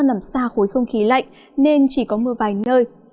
trong mưa rông có khối không khí lạnh nên chỉ có mưa vài nơi